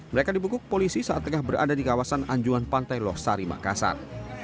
mereka dibekuk polisi saat tengah berada di kawasan anjuan pantai losari makassar